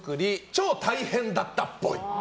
超大変だったっぽい。